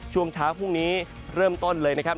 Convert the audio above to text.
ช่วงเช้าพรุ่งนี้เริ่มต้นเลยนะครับ